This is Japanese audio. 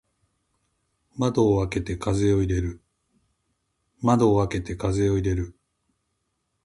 窓を開けて風を入れる。